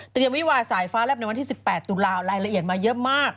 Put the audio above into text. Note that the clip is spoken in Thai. วิวาสายฟ้าแลบในวันที่๑๘ตุลารายละเอียดมาเยอะมาก